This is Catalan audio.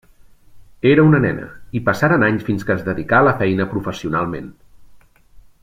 Era una nena, i passaren anys fins que es dedicà a la feina professionalment.